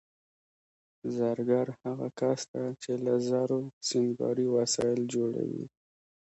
زرګر هغه کس دی چې له زرو سینګاري وسایل جوړوي